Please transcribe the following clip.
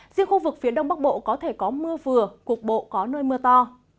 riêng khu vực phía đông bắc bộ có thể có mưa vừa cục bộ có nơi mưa to